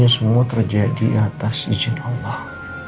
semua terjadi atas izin allah